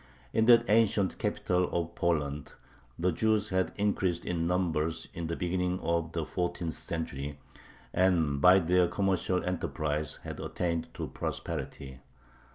In that ancient capital of Poland the Jews had increased in numbers in the beginning of the fourteenth century, and, by their commercial enterprise, had attained to prosperity.